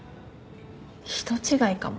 人違いかも。